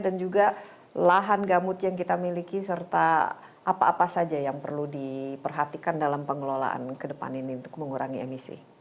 dan juga lahan gambut yang kita miliki serta apa apa saja yang perlu diperhatikan dalam pengelolaan kedepan ini untuk mengurangi emisi